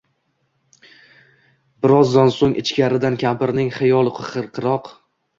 Bir ozdan soʼng ichkaridan kampirning xiyol xirqiroq